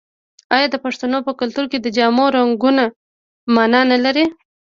آیا د پښتنو په کلتور کې د جامو رنګونه مانا نلري؟